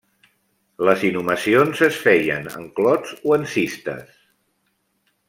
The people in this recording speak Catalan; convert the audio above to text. Les inhumacions es feien en clots o en cistes.